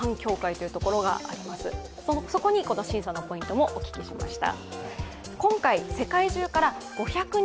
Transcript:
そこに、この審査のポイントもお聞きしました。